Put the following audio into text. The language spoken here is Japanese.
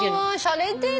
しゃれてる。